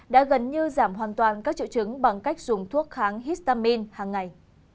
đã gần như giảm hoàn toàn các triệu chứng bằng cách dùng thuốc kháng histamin hàng ngày